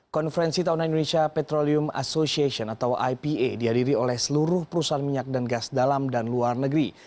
konferensi tahunan indonesia petrolium association atau ipa dihadiri oleh seluruh perusahaan minyak dan gas dalam dan luar negeri